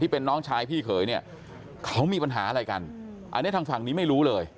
เป็นน้องชายพี่เขยเนี่ยเขามีปัญหาอะไรกันอันนี้ทางฝั่งนี้ไม่รู้เลย